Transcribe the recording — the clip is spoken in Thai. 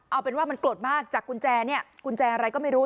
เอาเป็นว่ามันโกรธมากจากกุญแจเนี่ยกุญแจอะไรก็ไม่รู้